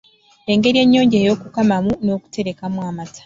Engeri ennyonjo ey’okukamamu n’okuterekamu amata